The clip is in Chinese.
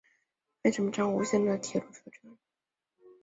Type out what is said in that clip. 安艺长滨站吴线的铁路车站。